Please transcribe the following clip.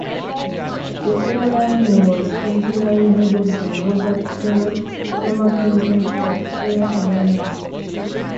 The airline was originally headed by Robert Perrault, former president of Air Alliance.